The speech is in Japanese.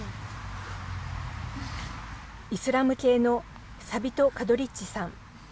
イスラム系のサビト・カドリッチさん。